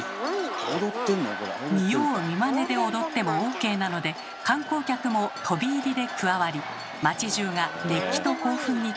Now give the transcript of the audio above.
見よう見まねで踊ってもＯＫなので観光客も飛び入りで加わり町じゅうが熱気と興奮に包まれます。